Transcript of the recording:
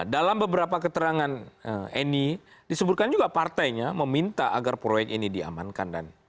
dalam beberapa keterangan eni disebutkan juga partainya meminta agar proyek ini diamankan